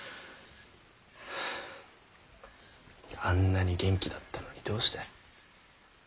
あんなに元気だったのにどうした？